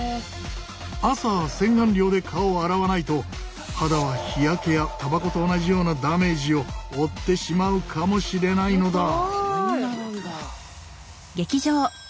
朝洗顔料で顔を洗わないと肌は日焼けやたばこと同じようなダメージを負ってしまうかもしれないのだ！